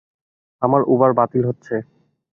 আমার উবার বাতিল হচ্ছে।